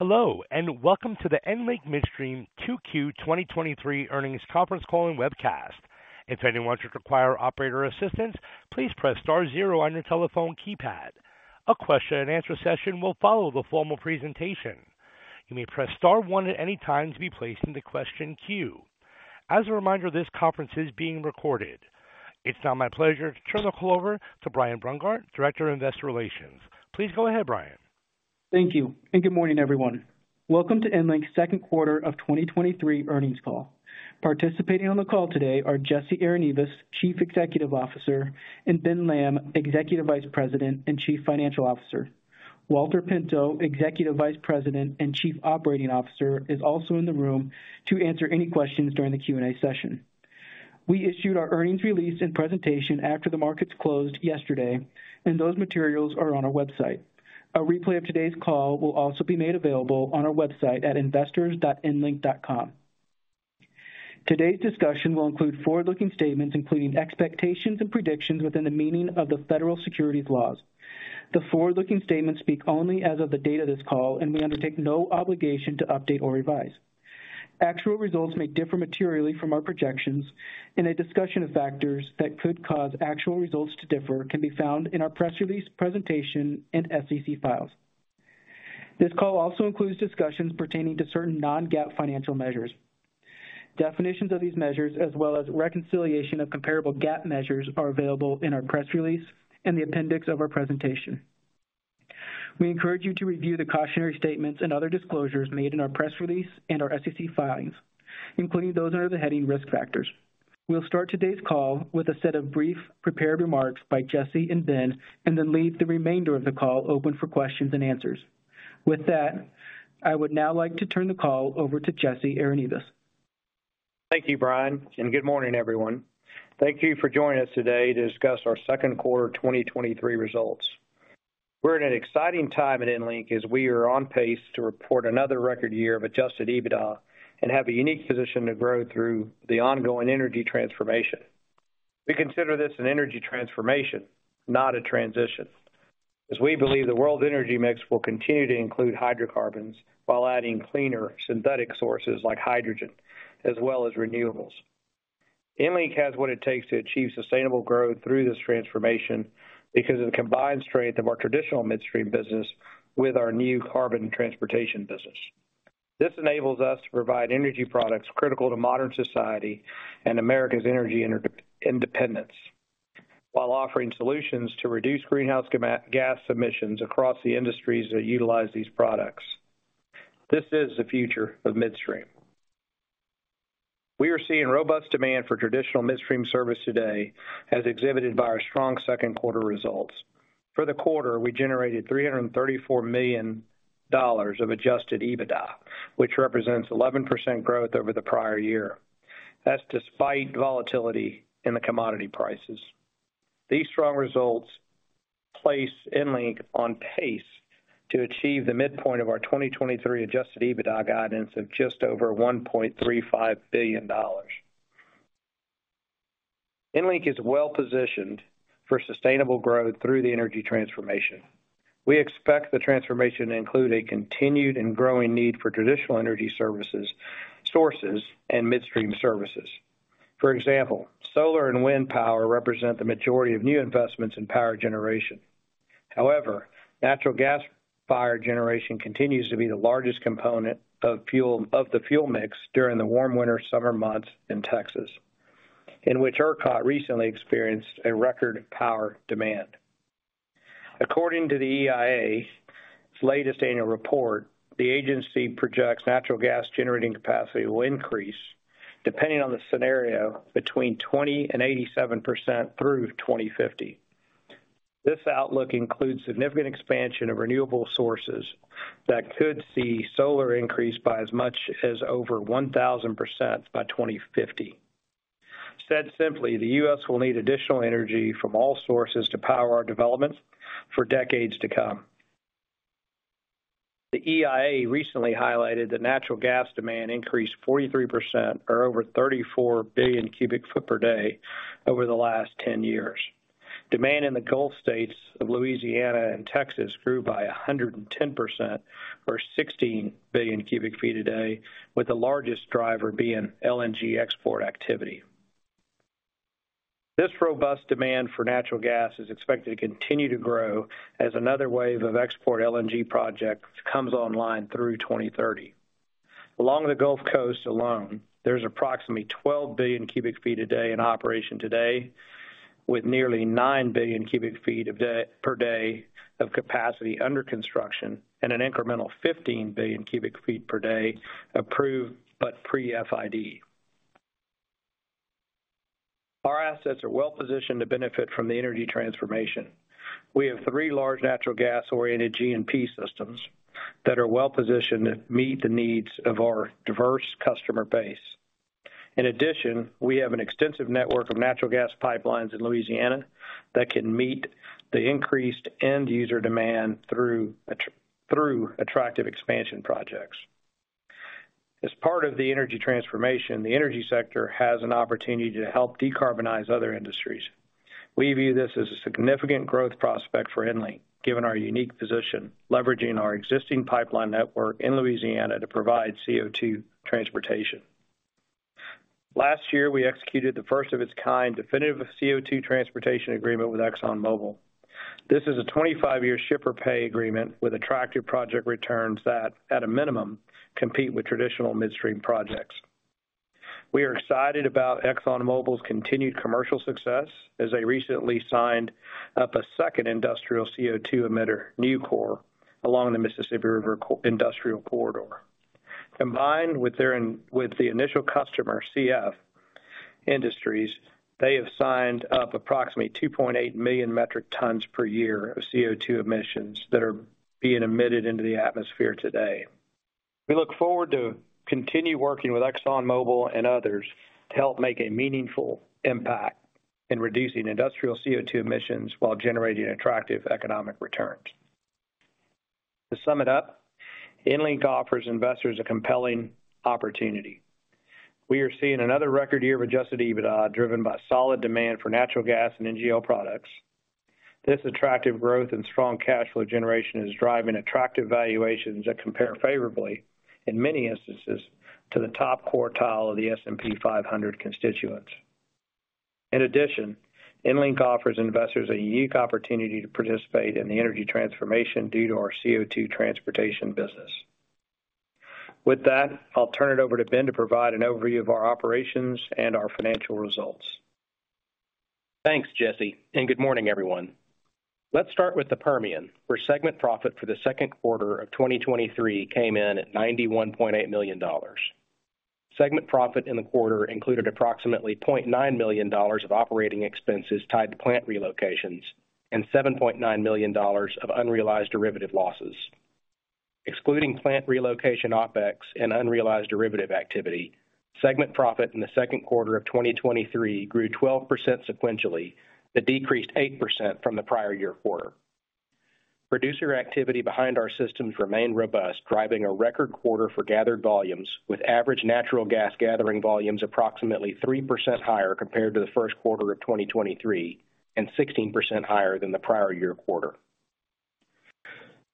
Hello, and welcome to the EnLink Midstream Q2 2023 earnings conference call and webcast. If anyone should require operator assistance, please press star zero on your telephone keypad. A question-and-answer session will follow the formal presentation. You may press star one at any time to be placed in the question queue. As a reminder, this conference is being recorded. It's now my pleasure to turn the call over to Brian Brungardt, Director of Investor Relations. Please go ahead, Brian. Thank you, and good morning, everyone. Welcome to EnLink's second quarter of 2023 earnings call. Participating on the call today are Jesse Arenivas, Chief Executive Officer, and Ben Lamb, Executive Vice President and Chief Financial Officer. Walter Pinto, Executive Vice President and Chief Operating Officer, is also in the room to answer any questions during the Q&A session. We issued our earnings release and presentation after the markets closed yesterday, and those materials are on our website. A replay of today's call will also be made available on our website at investors.enlink.com. Today's discussion will include forward-looking statements, including expectations and predictions within the meaning of the federal securities laws. The forward-looking statements speak only as of the date of this call, and we undertake no obligation to update or revise. Actual results may differ materially from our projections, a discussion of factors that could cause actual results to differ can be found in our press release presentation and SEC files. This call also includes discussions pertaining to certain non-GAAP financial measures. Definitions of these measures, as well as reconciliation of comparable GAAP measures, are available in our press release and the appendix of our presentation. We encourage you to review the cautionary statements and other disclosures made in our press release and our SEC filings, including those under the heading Risk Factors. We'll start today's call with a set of brief prepared remarks by Jesse and Ben, then leave the remainder of the call open for questions and answers. With that, I would now like to turn the call over to Jesse Arenivas. Thank you, Brian. Good morning, everyone. Thank you for joining us today to discuss our second quarter 2023 results. We're in an exciting time at EnLink as we are on pace to report another record year of adjusted EBITDA and have a unique position to grow through the ongoing energy transformation. We consider this an energy transformation, not a transition, as we believe the world's energy mix will continue to include hydrocarbons while adding cleaner synthetic sources like hydrogen, as well as renewables. EnLink has what it takes to achieve sustainable growth through this transformation because of the combined strength of our traditional midstream business with our new carbon transportation business. This enables us to provide energy products critical to modern society and America's energy independence, while offering solutions to reduce greenhouse gas emissions across the industries that utilize these products. This is the future of midstream. We are seeing robust demand for traditional midstream service today, as exhibited by our strong second quarter results. For the quarter, we generated $334 million of adjusted EBITDA, which represents 11% growth over the prior year. That's despite volatility in the commodity prices. These strong results place EnLink on pace to achieve the midpoint of our 2023 adjusted EBITDA guidance of just over $1.35 billion. EnLink is well-positioned for sustainable growth through the energy transformation. We expect the transformation to include a continued and growing need for traditional energy services, sources, and midstream services. For example, solar and wind power represent the majority of new investments in power generation. However, natural gas fire generation continues to be the largest component of the fuel mix during the warm winter, summer months in Texas, in which ERCOT recently experienced a record power demand. According to the EIA's latest annual report, the agency projects natural gas generating capacity will increase, depending on the scenario, between 20% and 87% through 2050. This outlook includes significant expansion of renewable sources that could see solar increase by as much as over 1,000% by 2050. Said simply, the U.S. will need additional energy from all sources to power our developments for decades to come. The EIA recently highlighted that natural gas demand increased 43% or over 34 billion cu ft per day over the last 10 years. Demand in the Gulf States of Louisiana and Texas grew by 110%, or 16 billion cu ft a day, with the largest driver being LNG export activity. This robust demand for natural gas is expected to continue to grow as another wave of export LNG projects comes online through 2030. Along the Gulf Coast alone, there's approximately 12 billion cu ft a day in operation today, with nearly 9 billion cu ft per day of capacity under construction and an incremental 15 billion cu ft per day approved, but pre-FID. Our assets are well positioned to benefit from the energy transformation. We have three large natural gas-oriented G&P systems that are well positioned to meet the needs of our diverse customer base. In addition, we have an extensive network of natural gas pipelines in Louisiana that can meet the increased end-user demand through attractive expansion projects. The energy sector has an opportunity to help decarbonize other industries. We view this as a significant growth prospect for EnLink, given our unique position, leveraging our existing pipeline network in Louisiana to provide CO2 transportation. Last year, we executed the first of its kind definitive of CO2 transportation agreement with ExxonMobil. This is a 25-year shipper pay agreement with attractive project returns that, at a minimum, compete with traditional midstream projects. We are excited about ExxonMobil's continued commercial success as they recently signed up a second industrial CO2 emitter, Nucor, along the Mississippi River Industrial Corridor. Combined with their with the initial customer, CF Industries, they have signed up approximately 2.8 million metric tons per year of CO2 emissions that are being emitted into the atmosphere today. We look forward to continue working with ExxonMobil and others to help make a meaningful impact in reducing industrial CO2 emissions while generating attractive economic returns. To sum it up, EnLink offers investors a compelling opportunity. We are seeing another record year of adjusted EBITDA, driven by solid demand for natural gas and NGL products. This attractive growth and strong cash flow generation is driving attractive valuations that compare favorably, in many instances, to the top quartile of the S&P 500 constituents. In addition, EnLink offers investors a unique opportunity to participate in the energy transformation due to our CO2 transportation business. With that, I'll turn it over to Ben to provide an overview of our operations and our financial results. Thanks, Jesse. Good morning, everyone. Let's start with the Permian, where segment profit for the second quarter of 2023 came in at $91.8 million. Segment profit in the quarter included approximately $0.9 million of operating expenses tied to plant relocations and $7.9 million of unrealized derivative losses. Excluding plant relocation OpEx and unrealized derivative activity, segment profit in the second quarter of 2023 grew 12% sequentially, but decreased 8% from the prior year quarter. Producer activity behind our systems remained robust, driving a record quarter for gathered volumes, with average natural gas gathering volumes approximately 3% higher compared to the first quarter of 2023, and 16% higher than the prior year quarter.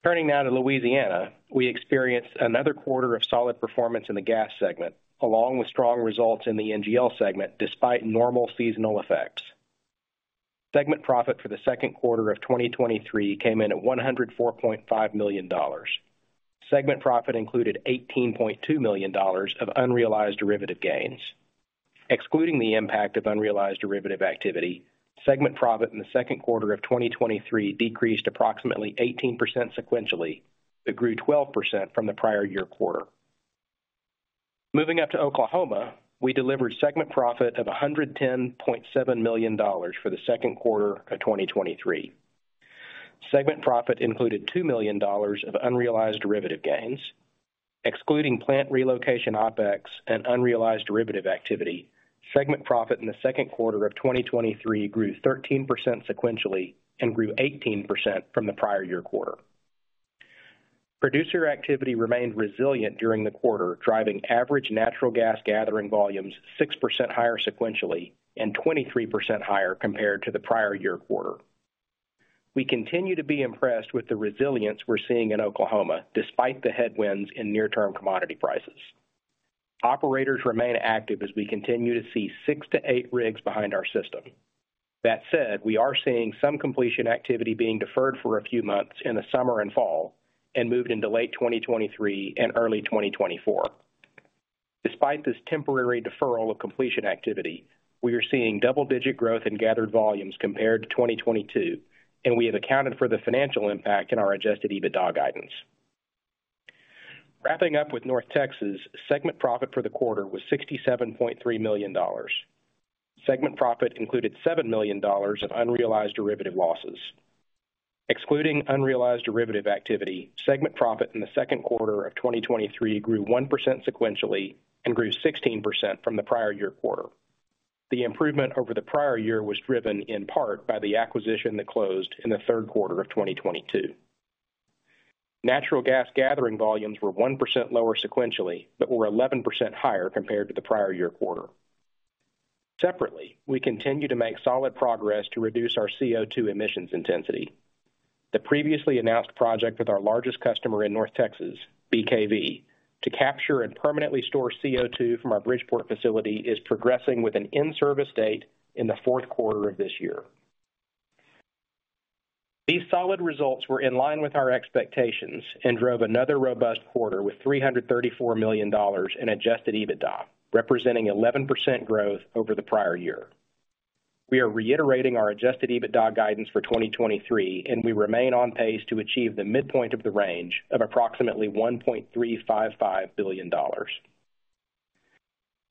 Turning now to Louisiana, we experienced another quarter of solid performance in the gas segment, along with strong results in the NGL segment, despite normal seasonal effects. Segment profit for the second quarter of 2023 came in at $104.5 million. Segment profit included $18.2 million of unrealized derivative gains. Excluding the impact of unrealized derivative activity, segment profit in the second quarter of 2023 decreased approximately 18% sequentially, grew 12% from the prior year quarter. Moving up to Oklahoma, we delivered segment profit of $110.7 million for the second quarter of 2023. Segment profit included $2 million of unrealized derivative gains. Excluding plant relocation, OpEx, and unrealized derivative activity, segment profit in the second quarter of 2023 grew 13% sequentially and grew 18% from the prior year quarter. Producer activity remained resilient during the quarter, driving average natural gas gathering volumes 6% higher sequentially and 23% higher compared to the prior year quarter. We continue to be impressed with the resilience we're seeing in Oklahoma, despite the headwinds in near-term commodity prices. Operators remain active as we continue to see 6-8 rigs behind our system. That said, we are seeing some completion activity being deferred for a few months in the summer and fall and moved into late 2023 and early 2024. Despite this temporary deferral of completion activity, we are seeing double-digit growth in gathered volumes compared to 2022, and we have accounted for the financial impact in our adjusted EBITDA guidance. Wrapping up with North Texas, segment profit for the quarter was $67.3 million. Segment profit included $7 million of unrealized derivative losses. Excluding unrealized derivative activity, segment profit in the second quarter of 2023 grew 1% sequentially and grew 16% from the prior year quarter. The improvement over the prior year was driven in part by the acquisition that closed in the third quarter of 2022. Natural gas gathering volumes were 1% lower sequentially, but were 11% higher compared to the prior year quarter. Separately, we continue to make solid progress to reduce our CO2 emissions intensity. The previously announced project with our largest customer in North Texas, BKV, to capture and permanently store CO2 from our Bridgeport facility, is progressing with an in-service date in the fourth quarter of this year. These solid results were in line with our expectations and drove another robust quarter with $334 million in adjusted EBITDA, representing 11% growth over the prior year. We are reiterating our adjusted EBITDA guidance for 2023, and we remain on pace to achieve the midpoint of the range of approximately $1.355 billion.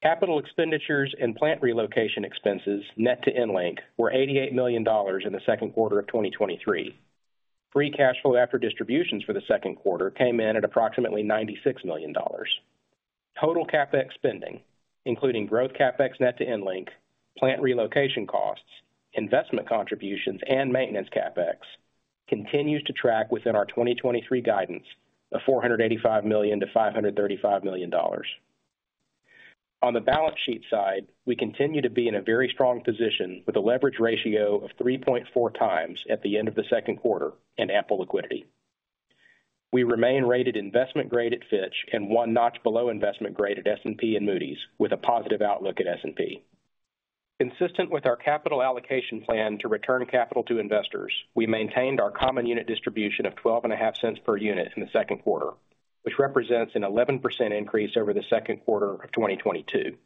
Capital expenditures and plant relocation expenses net to EnLink were $88 million in the second quarter of 2023. Free cash flow after distributions for the second quarter came in at approximately $96 million. Total CapEx spending, including growth CapEx net to EnLink, plant relocation costs, investment contributions, and maintenance CapEx continues to track within our 2023 guidance of $485 million-$535 million. On the balance sheet side, we continue to be in a very strong position with a leverage ratio of 3.4 times at the end of the second quarter and ample liquidity. We remain rated investment grade at Fitch and one notch below investment grade at S&P and Moody's, with a positive outlook at S&P. Consistent with our capital allocation plan to return capital to investors, we maintained our common unit distribution of $0.125 per unit in the second quarter, which represents an 11% increase over the second quarter of 2022.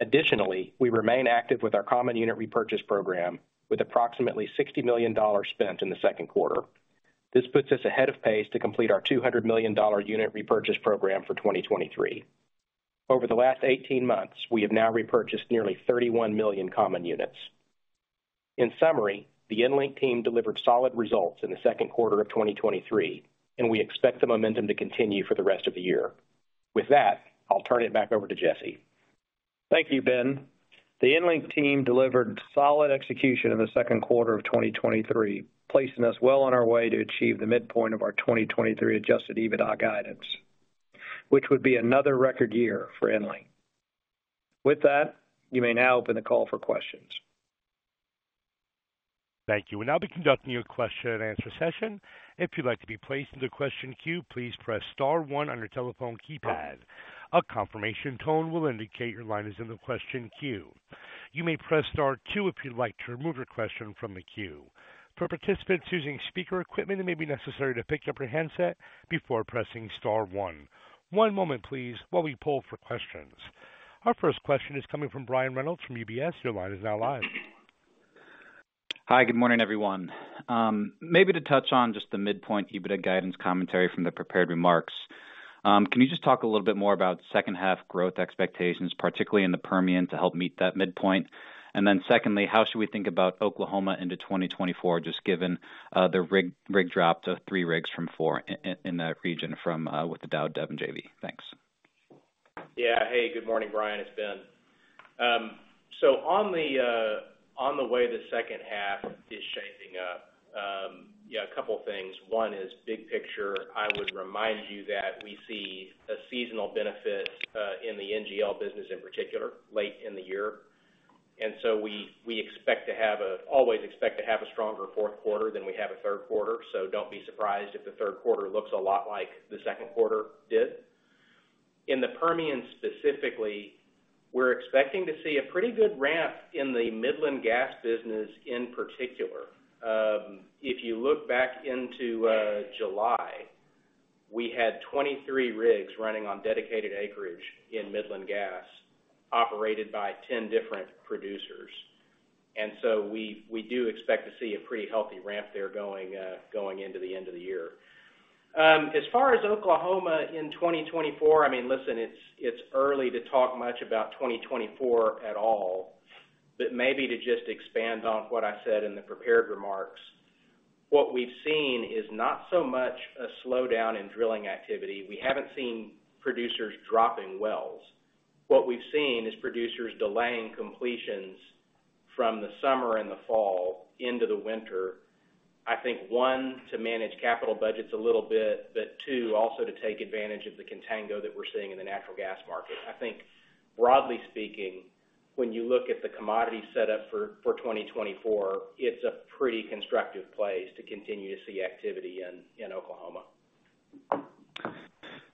Additionally, we remain active with our common unit repurchase program, with approximately $60 million spent in the second quarter. This puts us ahead of pace to complete our $200 million unit repurchase program for 2023. Over the last 18 months, we have now repurchased nearly 31 million common units. In summary, the EnLink team delivered solid results in the second quarter of 2023, and we expect the momentum to continue for the rest of the year. With that, I'll turn it back over to Jesse. Thank you, Ben. The EnLink team delivered solid execution in the second quarter of 2023, placing us well on our way to achieve the midpoint of our 2023 adjusted EBITDA guidance, which would be another record year for EnLink. With that, you may now open the call for questions. Thank you. We'll now be conducting your question-and-answer session. If you'd like to be placed in the question queue, please press star one on your telephone keypad. A confirmation tone will indicate your line is in the question queue. You may press star two if you'd like to remove your question from the queue. For participants using speaker equipment, it may be necessary to pick up your handset before pressing star one. One moment, please, while we pull for questions. Our first question is coming from Brian Reynolds from UBS. Your line is now live. Hi, good morning, everyone. Maybe to touch on just the midpoint EBITDA guidance commentary from the prepared remarks. Can you just talk a little bit more about second half growth expectations, particularly in the Permian, to help meet that midpoint? Secondly, how should we think about Oklahoma into 2024, just given the rig drop to 3 rigs from 4 in that region from with the Dow and Devon JV? Thanks. Yeah. Hey, good morning, Brian, it's Ben. On the way the second half is shaping up, yeah, a couple of things. One is big picture. I would remind you that we see a seasonal benefit in the NGL business, in particular, late in the year, we always expect to have a stronger fourth quarter than we have a third quarter. Don't be surprised if the third quarter looks a lot like the second quarter did. In the Permian, specifically, we're expecting to see a pretty good ramp in the Midland gas business in particular. If you look back into July, we had 23 rigs running on dedicated acreage in Midland gas, operated by 10 different producers, and so we, we do expect to see a pretty healthy ramp there going into the end of the year. As far as Oklahoma in 2024, I mean, listen, it's early to talk much about 2024 at all, but maybe to just expand on what I said in the prepared remarks. What we've seen is not so much a slowdown in drilling activity. We haven't seen producers dropping wells. What we've seen is producers delaying completions from the summer and the fall into the winter. I think, one, to manage capital budgets a little bit, but two, also to take advantage of the contango that we're seeing in the natural gas market. I think broadly speaking, when you look at the commodity setup for, for 2024, it's a pretty constructive place to continue to see activity in, in Oklahoma.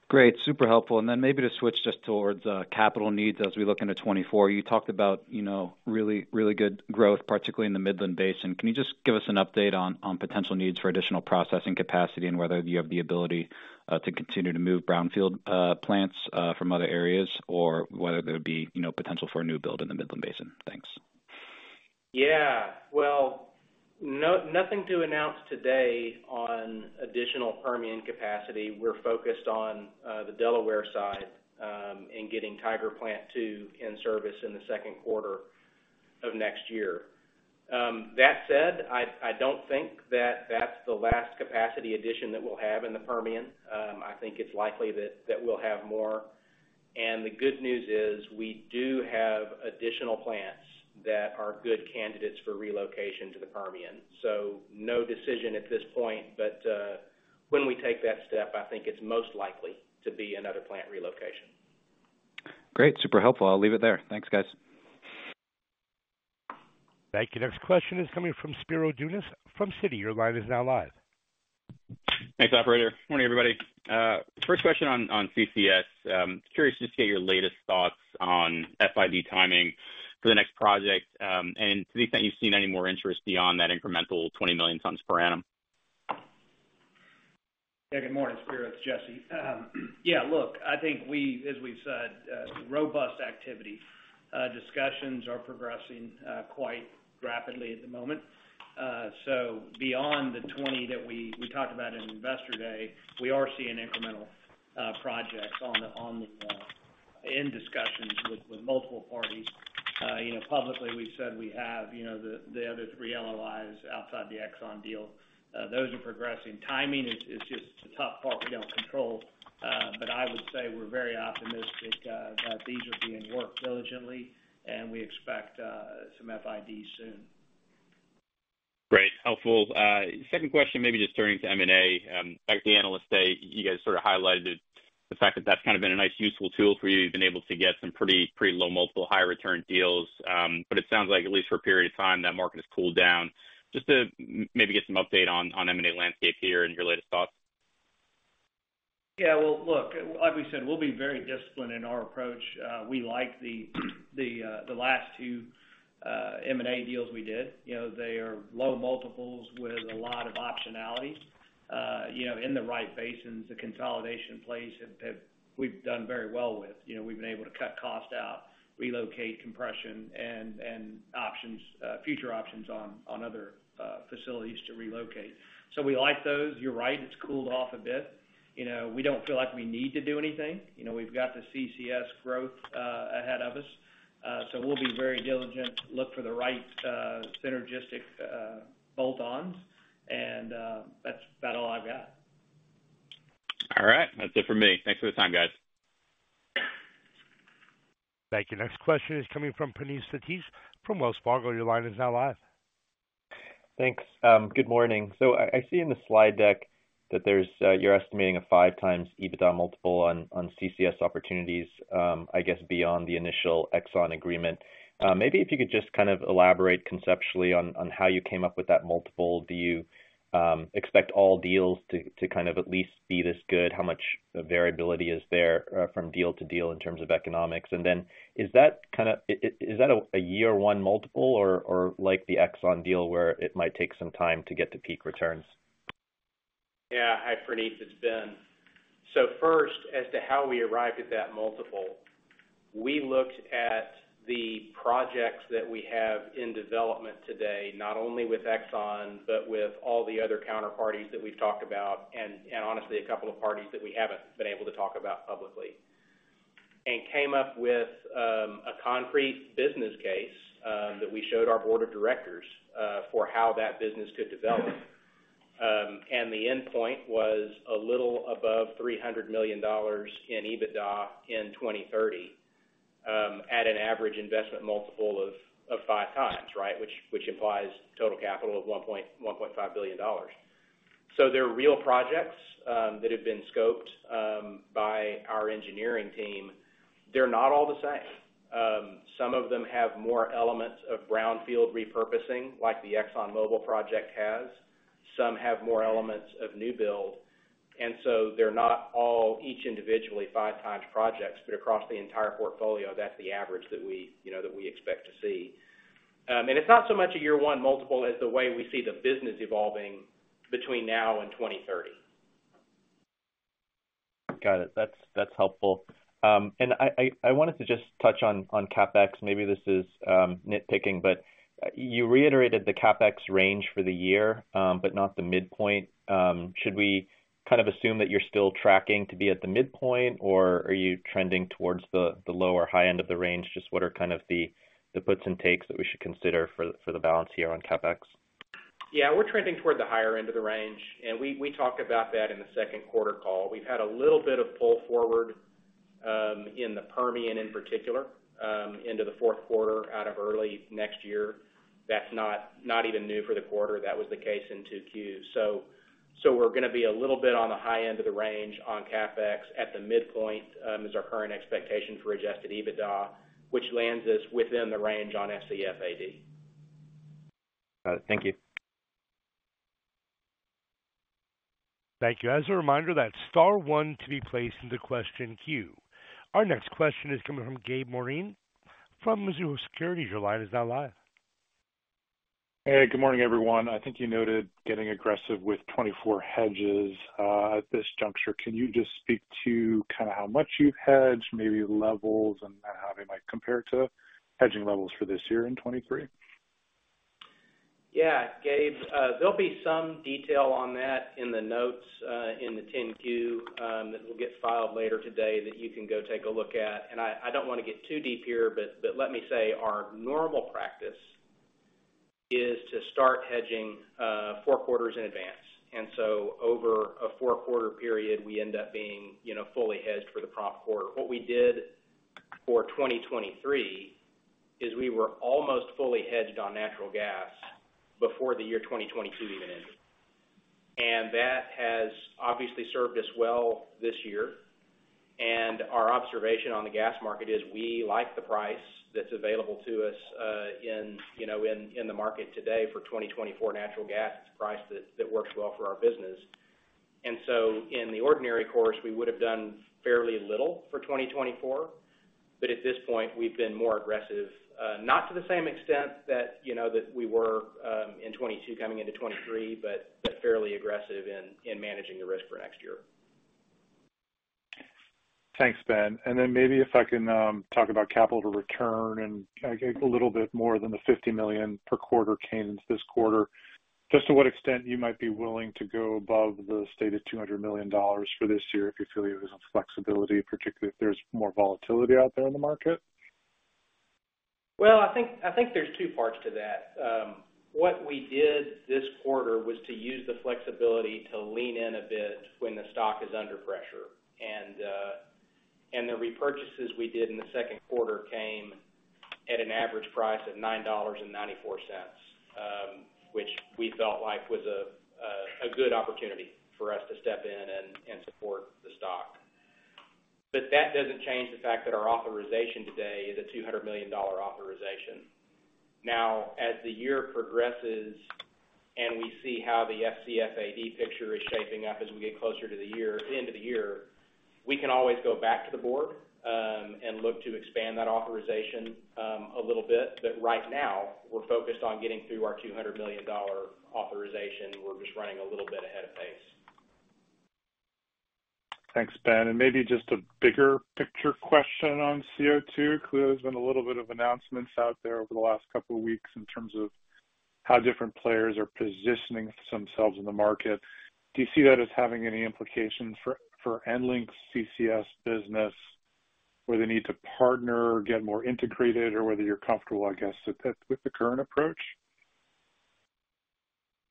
Great, super helpful. Maybe to switch just towards capital needs as we look into 2024. You talked about, you know, really, really good growth, particularly in the Midland Basin. Can you just give us an update on, on potential needs for additional processing capacity and whether you have the ability to continue to move brownfield plants from other areas, or whether there would be, you know, potential for a new build in the Midland Basin? Thanks. Yeah, well, nothing to announce today on additional Permian capacity. We're focused on the Delaware side, in getting Tiger Plant II in service in the second quarter of next year. That said, I don't think that's the last capacity addition that we'll have in the Permian. I think it's likely that we'll have more. The good news is, we do have additional plants that are good candidates for relocation to the Permian. No decision at this point, but when we take that step, I think it's most likely to be another plant relocation. Great. Super helpful. I'll leave it there. Thanks, guys. Thank you. Next question is coming from Spiro Dounis from Citi. Your line is now live. Thanks, operator. Morning, everybody. First question on CCS. Curious just to get your latest thoughts on FID timing for the next project, and to the extent you've seen any more interest beyond that incremental 20 million tons per annum? Yeah. Good morning, Spiro. It's Jesse. Yeah, look, I think as we've said, robust activity, discussions are progressing quite rapidly at the moment. Beyond the 20 that we talked about in Investor Day, we are seeing incremental projects on the in discussions with multiple parties. You know, publicly, we said we have, you know, the other three LOIs outside the Exxon deal. Those are progressing. Timing is just the tough part we don't control, but I would say we're very optimistic that these are being worked diligently, and we expect some FIDs soon. Great, helpful. Second question, maybe just turning to M&A? Back to the analyst day, you guys sort of highlighted the fact that that's kind of been a nice, useful tool for you. You've been able to get some pretty, pretty low multiple higher return deals, but it sounds like at least for a period of time, that market has cooled down. Just to maybe get some update on, on M&A landscape here and your latest thoughts? Yeah, well, look, like we said, we'll be very disciplined in our approach. We like the, the, the last two, M&A deals we did. You know, they are low multiples with a lot of optionality. You know, in the right basins, the consolidation plays have, have -- we've done very well with. You know, we've been able to cut costs out, relocate compression and, and options, future options on, on other, facilities to relocate. So we like those. You're right, it's cooled off a bit. You know, we don't feel like we need to do anything. You know, we've got the CCS growth, ahead of us. So we'll be very diligent, look for the right, synergistic, bolt-ons, and, that's about all I've got. All right, that's it for me. Thanks for the time, guys. Thank you. Next question is coming from Praneeth Satish from Wells Fargo. Your line is now live. Thanks. Good morning. I, I see in the slide deck that there's, you're estimating a 5x EBITDA multiple on, on CCS opportunities, I guess, beyond the initial Exxon agreement. Maybe if you could just kind of elaborate conceptually on, on how you came up with that multiple. Do you expect all deals to, to kind of at least be this good? How much variability is there from deal to deal in terms of economics? Is that a, a year one multiple or, or like the Exxon deal, where it might take some time to get to peak returns? Yeah. Hi, Praneeth, it's Ben. First, as to how we arrived at that multiple, we looked at the projects that we have in development today, not only with Exxon, but with all the other counterparties that we've talked about, and honestly, a couple of parties that we haven't been able to talk about publicly. Came up with a concrete business case that we showed our board of directors for how that business could develop. The endpoint was a little above $300 million in EBITDA in 2030 at an average investment multiple of 5 times, right? Which implies total capital of $1.5 billion. They're real projects that have been scoped by our engineering team. They're not all the same. Some of them have more elements of brownfield repurposing, like the ExxonMobil project has. Some have more elements of new build, and so they're not all each individually five times projects, but across the entire portfolio, that's the average that we, you know, that we expect to see. It's not so much a year one multiple as the way we see the business evolving between now and 2030. Got it. That's, that's helpful. I wanted to just touch on, on CapEx. Maybe this is, nitpicking, but you reiterated the CapEx range for the year, but not the midpoint. Should we kind of assume that you're still tracking to be at the midpoint, or are you trending towards the, the low or high end of the range? Just what are kind of the, the puts and takes that we should consider for the, for the balance here on CapEx? Yeah, we're trending toward the higher end of the range, and we talked about that in the second quarter call. We've had a little bit of pull forward in the Permian, in particular, into the fourth quarter out of early next year. That's not, not even new for the quarter. That was the case in 2Q. We're going to be a little bit on the high end of the range on CapEx. At the midpoint is our current expectation for adjusted EBITDA, which lands us within the range on FCFAD. Got it. Thank you. Thank you. As a reminder, that's star one to be placed in the question queue. Our next question is coming from Gabriel Moreen from Mizuho Securities. Your line is now live. Hey, good morning, everyone. I think you noted getting aggressive with 2024 hedges at this juncture. Can you just speak to kind of how much you've hedged, maybe levels, and then how they might compare to hedging levels for this year in 2023? Yeah, Gabe, there'll be some detail on that in the notes, in the 10-Q, that will get filed later today, that you can go take a look at. I don't want to get too deep here, but, but let me say, our normal practice is to start hedging, four quarters in advance. So over a four-quarter period, we end up being, you know, fully hedged for the prompt quarter. What we did for 2023 is we were almost fully hedged on natural gas before the year 2022 even ended. That has obviously served us well this year. Our observation on the gas market is we like the price that's available to us, in, you know, in, in the market today for 2024 natural gas price that, that works well for our business. In the ordinary course, we would have done fairly little for 2024, but at this point, we've been more aggressive, not to the same extent that, you know, that we were in 2022 coming into 2023, but fairly aggressive in, in managing the risk for next year. Thanks, Ben. Then maybe if I can talk about capital return and a little bit more than the $50 million per quarter came this quarter. Just to what extent you might be willing to go above the stated $200 million for this year if you feel there's some flexibility, particularly if there's more volatility out there in the market? Well, I think, I think there's two parts to that. What we did this quarter was to use the flexibility to lean in a bit when the stock is under pressure. The repurchases we did in the second quarter came at an average price of $9.94, which we felt like was a good opportunity for us to step in and support the stock. That doesn't change the fact that our authorization today is a $200 million authorization. Now, as the year progresses and we see how the FCFAD picture is shaping up as we get closer to the year, end of the year, we can always go back to the board and look to expand that authorization a little bit. Right now, we're focused on getting through our $200 million authorization. We're just running a little bit ahead of pace. Thanks, Ben. Maybe just a bigger picture question on CO2. Clearly, there's been a little bit of announcements out there over the last couple of weeks in terms of how different players are positioning themselves in the market. Do you see that as having any implications for, for EnLink's CCS business, where they need to partner or get more integrated, or whether you're comfortable, I guess, with the, with the current approach?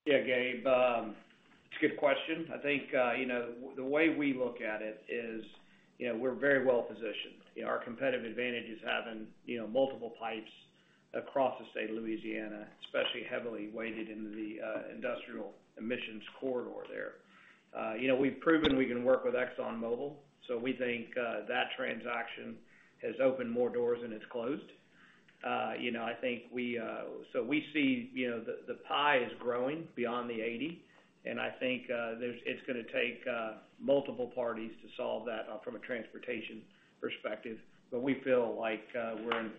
Yeah, Gabe, it's a good question. I think, you know, the way we look at it is, you know, we're very well positioned. Our competitive advantage is having, you know, multiple pipes across the state of Louisiana, especially heavily weighted in the industrial emissions corridor there. You know, we've proven we can work with ExxonMobil, so we think that transaction has opened more doors than it's closed. You know, I think we so we see, you know, the pie is growing beyond the 80, and I think it's gonna take multiple parties to solve that from a transportation perspective. We feel like we're in,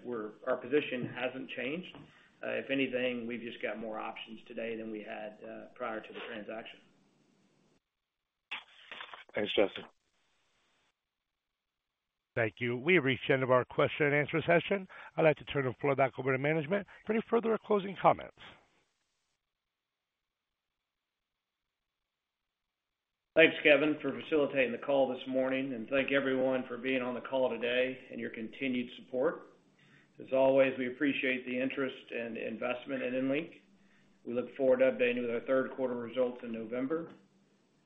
our position hasn't changed. If anything, we've just got more options today than we had prior to the transaction. Thanks, Jesse. Thank you. We have reached the end of our question-and-answer session. I'd like to turn the floor back over to management for any further closing comments. Thanks, Kevin, for facilitating the call this morning, and thank everyone for being on the call today and your continued support. As always, we appreciate the interest and investment in EnLink. We look forward to updating you with our third quarter results in November,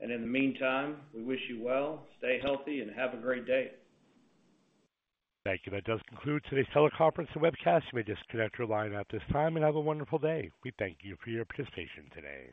and in the meantime, we wish you well, stay healthy, and have a great day. Thank you. That does conclude today's teleconference and webcast. You may disconnect your line at this time, and have a wonderful day. We thank you for your participation today.